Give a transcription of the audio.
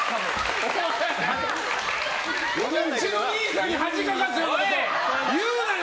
うちの兄さんに恥かかすようなこと言うなよ！